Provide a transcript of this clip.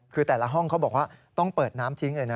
คือแต่ละห้องเขาบอกว่าต้องเปิดน้ำทิ้งเลยนะ